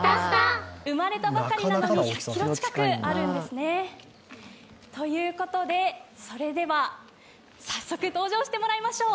生まれたばかりなのに１００ｋｇ近くあるんですね。ということで、早速登場してもらいましょう。